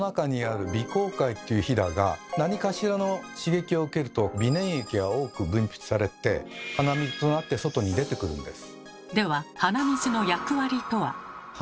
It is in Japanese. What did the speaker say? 甲介っていうヒダが何かしらの刺激を受けると鼻粘液が多く分泌されて鼻水となって外に出てくるんです。